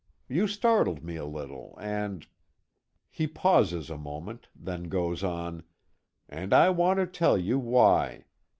You startled me a little, and " He pauses a moment, then goes on: "And I want to tell you why.